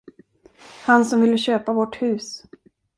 Han som ville köpa vårt hus.